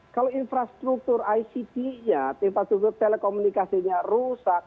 kalau infrastruktur ict nya infrastruktur telekomunikasinya rusak